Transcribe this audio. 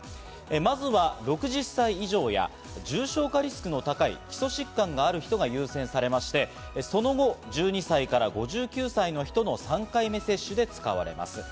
まずは６０歳以上や重症化リスクの高い基礎疾患がある人が優先されまして、その後、１２歳から５９歳の人の３回目接種で使われます。